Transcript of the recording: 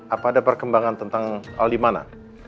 apa ada perkembangan tentang di mana